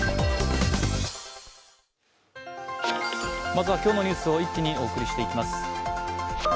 まずは今日のニュースを一気にお送りしていきます。